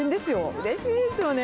うれしいですよね。